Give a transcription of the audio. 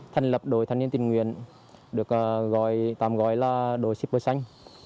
thành lập đội thanh niên tình nguyện được tạm gọi là đội shipper xanh